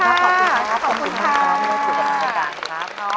ขอบคุณครับพี่หลงค่ะ